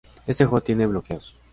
Este juego tiene bloqueos.